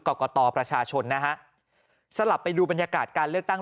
กรกตประชาชนนะฮะสลับไปดูบรรยากาศการเลือกตั้ง